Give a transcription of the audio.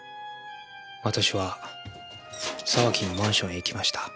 私は沢木のマンションへ行きました。